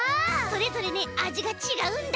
それぞれねあじがちがうんだ！